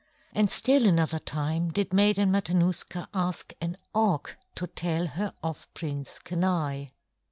And still another time did Maiden Matanuska ask an Auk to tell her of Prince Kenai.